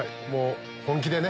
本気でね。